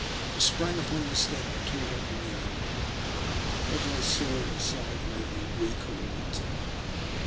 I sprang npon the step and tore open the apron. What I saw inside made me recoil with terror.